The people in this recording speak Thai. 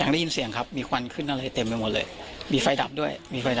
ได้ยินเสียงครับมีควันขึ้นอะไรเต็มไปหมดเลยมีไฟดับด้วยมีไฟดับ